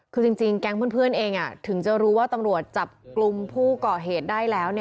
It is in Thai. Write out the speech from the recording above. คือจริงแก๊งเพื่อนเองถึงจะรู้ว่าตำรวจจับกลุ่มผู้ก่อเหตุได้แล้ว